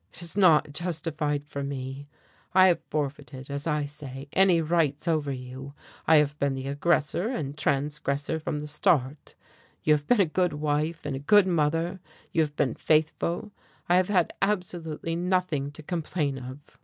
"It is not justified for me. I have forfeited, as I say, any rights over you. I have been the aggressor and transgressor from the start. You have been a good wife and a good mother, you have been faithful, I have had absolutely nothing to complain of."